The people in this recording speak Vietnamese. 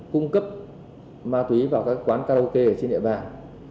cung cấp ma túy vào các quán karaoke trên địa bàn